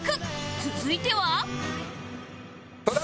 続いては